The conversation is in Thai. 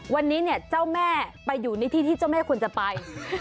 วันนี้เนี่ยเจ้าแม่ไปอยู่ในที่ที่เจ้าแม่ควรจะไป